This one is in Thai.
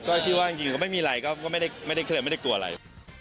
ก็ชื่อว่าจริงก็ไม่มีไรก็ไม่ได้เคลื่อนไม่ได้กลัวอะไร